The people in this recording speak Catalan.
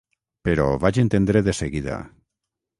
Però ho vaig entendre de seguida.